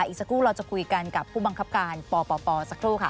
อีกสักครู่เราจะคุยกันกับผู้บังคับการปปสักครู่ค่ะ